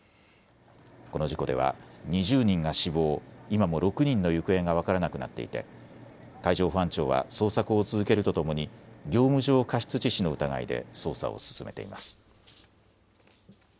この事故では２０人が死亡、今も６人の行方が分からなくなっていて海上保安庁は捜索を続けるとともに業務上過失致死の疑いで捜査を進めています。